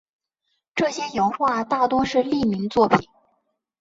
这些油画大多是匿名作品。